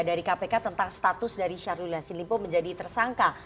dari kpk tentang status dari syahrul yassin limpo menjadi tersangka